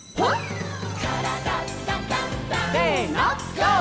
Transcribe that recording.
「からだダンダンダン」せのＧＯ！